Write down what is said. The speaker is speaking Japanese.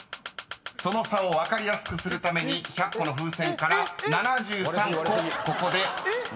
その差を分かりやすくするために１００個の風船から７３個ここで割ります］